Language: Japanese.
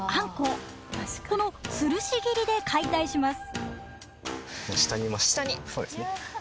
このつるし切りで解体します。